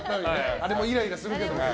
あれもイライラするけど。